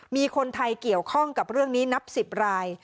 มีคนไทยเกี่ยวข้องกับเรื่องนี้นับ๑๐ราย